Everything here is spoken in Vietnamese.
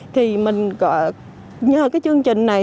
thì mình nhờ cái chương trình này